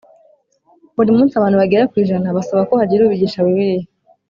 Buri munsi abantu bagera ku ijana basaba ko hagira ubigisha Bibiliya.